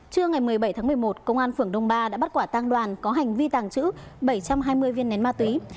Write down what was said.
trưa ngày một mươi bảy tháng một mươi một công an phường đông ba đã bắt quả tang đoàn có hành vi tàng trữ bảy trăm hai mươi viên nén ma túy